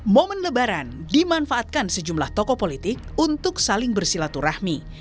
momen lebaran dimanfaatkan sejumlah tokoh politik untuk saling bersilaturahmi